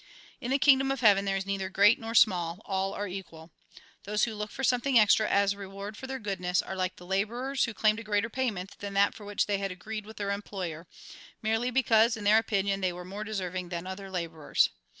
In the Kingdom of Heaven there is neither great nor small ; all are equal. Those who look for something extra as reward for their goodness, are like the labourers who claimed a greater payment than that for which they had agreed with their employer ; merely because, in their opinion, they were more deserving tlian other labourers.